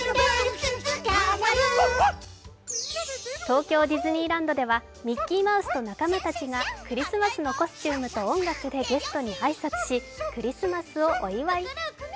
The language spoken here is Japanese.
東京ディズニーランドではミッキーマウスと仲間たちがクリスマスのコスチュームと音楽でゲストに挨拶し、クリスマスをお祝い。